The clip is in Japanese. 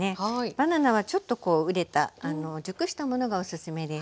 バナナはちょっとこう熟れた熟したものがおすすめです。